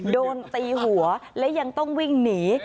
โดนตีหัวและยังต้องวิ่งหนี